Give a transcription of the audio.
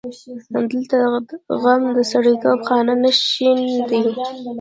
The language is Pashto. دلته غم د سړیتوب خانه نشین دی.